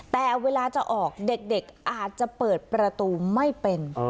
แต่เวลาจะออกเด็กอาจจะเปิดประตูไม่เป็น